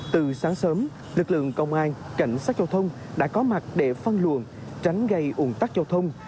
từ sáng sớm lực lượng công an cảnh sát giao thông đã có mặt để phân luồn tránh gây ủng tắc giao thông